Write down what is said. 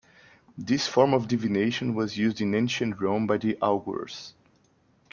This form of divination was used in ancient Rome by the augurs.